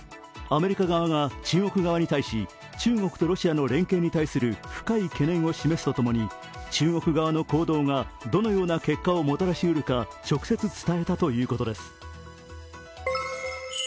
アメリカ側が中国側に対し中国とロシアの連携に対する深い懸念を示すとともに中国側の行動がどのような結果をもたらしうるか直接伝えたということです。